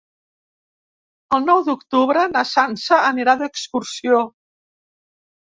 El nou d'octubre na Sança anirà d'excursió.